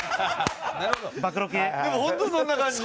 でも本当そんな感じ。